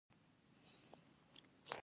په ټولنه کي د علم کچه مخ پر ټيټه روانه ده.